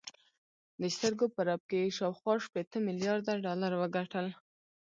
د سترګو په رپ کې یې شاوخوا شپېته میلارده ډالر وګټل